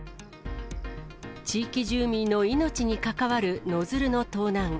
地域住民の命に関わるノズルの盗難。